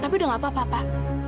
tapi tidak apa apa pak